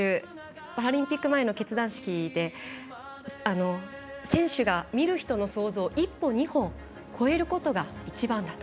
パラリンピック前の結団式で選手が見る人の想像を１歩２歩超えることが一番だと。